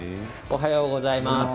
おはようございます。